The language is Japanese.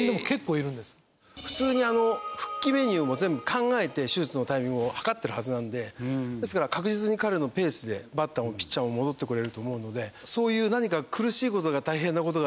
普通に復帰メニューも全部考えて手術のタイミングを計っているはずなのでですから確実に彼のペースでバッターもピッチャーも戻ってこられると思うのでそういう何か。